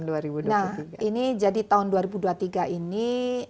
nah ini jadi tahun dua ribu dua puluh tiga ini